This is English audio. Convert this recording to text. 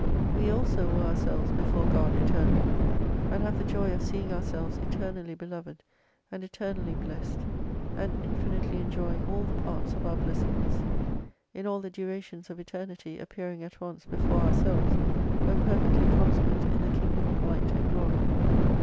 We also were ourselves before God eternally ; and have the joy of seeing ourselves eternally beloved and eternally blessed, and infinitely enjoying all the parts of our blessedness ; in all the durations of eternity appearing at once before ourselves, when perfectly consummate in the Kingdom of Light and Glory.